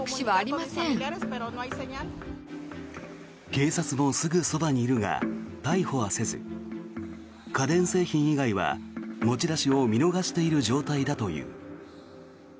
警察もすぐそばにいるが逮捕はせず家電製品以外は持ち出しを見逃している状態だという。